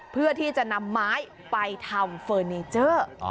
เพื่อที่จะนำไม้ไปทำเฟอร์เนเจอร์